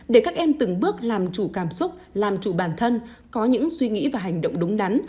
để các em từng bước làm chủ cảm xúc làm chủ bản thân có những suy nghĩ và hành động đúng đắn